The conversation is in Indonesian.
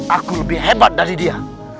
aku lebih hebat dari dia